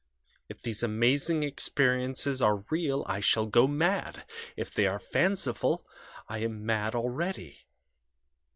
If these amazing experiences are real I shall go mad; if they are fanciful I am mad already.